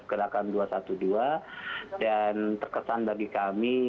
gerakan dua ratus dua belas dan terkesan bagi kami